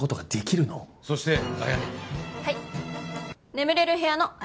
眠れる部屋の彩音。